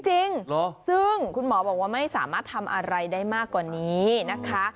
จริงซึ่งคุณหมอบอกว่าไม่สามารถทำอะไรได้มากกว่านี้นะคะ